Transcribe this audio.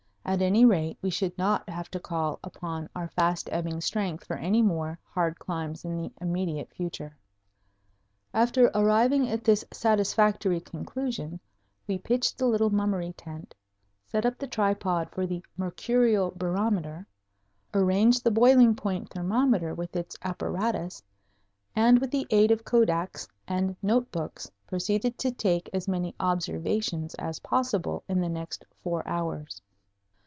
At any rate, we should not have to call upon our fast ebbing strength for any more hard climbs in the immediate future. After arriving at this satisfactory conclusion we pitched the little Mummery tent, set up the tripod for the mercurial barometer, arranged the boiling point thermometer with its apparatus, and with the aid of kodaks and notebooks proceeded to take as many observations as possible in the next four hours.